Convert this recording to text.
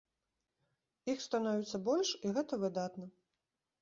Іх становіцца больш, і гэта выдатна.